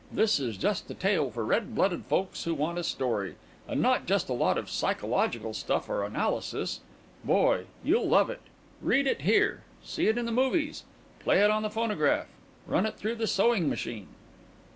This is just a tale for red blooded folks who want a story and not just a lot of "psychological" stuff or "analysis." Boy, you'll love it! Read it here, see it in the movies, play it on the phonograph, run it through the sewing machine.